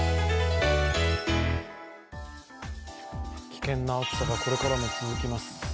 危険な暑さがこれからも続きます。